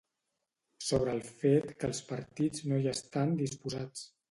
Sobre el fet que els partits no hi estan disposats.